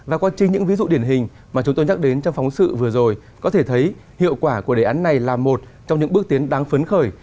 và chúng tôi nhắc đến trong phóng sự vừa rồi có thể thấy hiệu quả của đề án này là một trong những bước tiến đáng phấn khởi